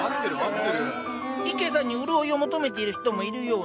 池さんに潤いを求めてる人もいるような。